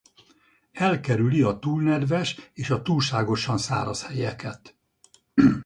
Elkerüli a túl nedves és a túlságosan száraz helyeket.